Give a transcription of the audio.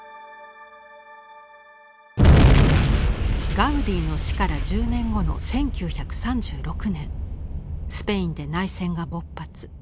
ガウディの死から１０年後の１９３６年スペインで内戦が勃発。